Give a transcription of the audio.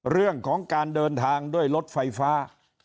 เรื่องของการเดินทางด้วยรถไฟฟ้า